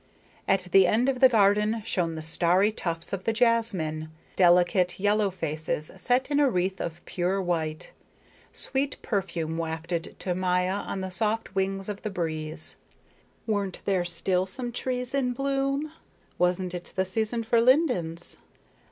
At the end of the garden shone the starry tufts of the jasmine delicate yellow faces set in a wreath of pure white sweet perfume wafted to Maya on the soft wings of the breeze. And weren't there still some trees in bloom? Wasn't it the season for lindens?